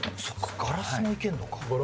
ガラスもいけんのか。